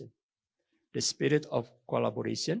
alam untuk kita memiliki dialog